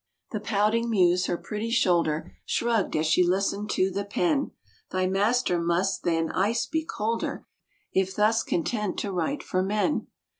The pouting Muse her pretty shoulder Shrugged as she listened to the Pen. "Thy master must than ice be colder If thus content to write for men.